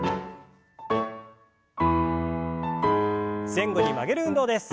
前後に曲げる運動です。